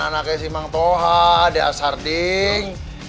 anaknya si mang toha dea sarding